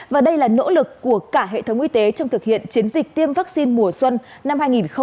và đây là nỗ lực của cả hệ thống y tế trong thực hiện chiến dịch tiêm vaccine mùa xuân năm hai nghìn hai mươi